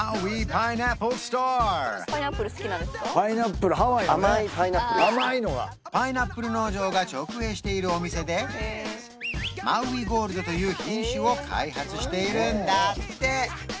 パイナップルハワイのね甘いのがパイナップル農場が直営しているお店でマウイゴールドという品種を開発しているんだって